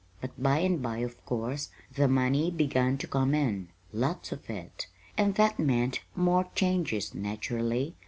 "But by and by, of course, the money begun to come in lots of it and that meant more changes, naturally.